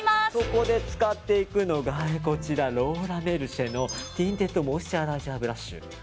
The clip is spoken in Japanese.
ここで使っていくのがローラメルシエのティンティドモイスチャライザーブラッシュ。